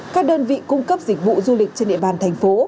các đơn vị cung cấp dịch vụ du lịch trên địa bàn thành phố